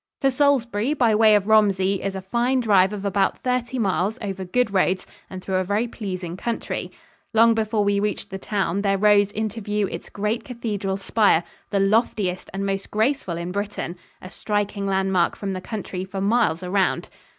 To Salisbury by way of Romsey is a fine drive of about thirty miles over good roads and through a very pleasing country. Long before we reached the town there rose into view its great cathedral spire, the loftiest and most graceful in Britain, a striking landmark from the country for miles around.